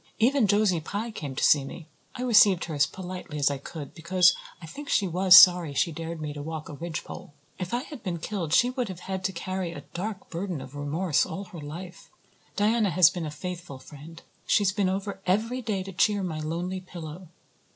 Even Josie Pye came to see me. I received her as politely as I could, because I think she was sorry she dared me to walk a ridgepole. If I had been killed she would had to carry a dark burden of remorse all her life. Diana has been a faithful friend. She's been over every day to cheer my lonely pillow.